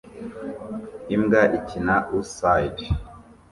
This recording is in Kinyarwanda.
imbwa ikina ouside